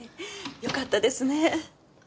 よかったですね。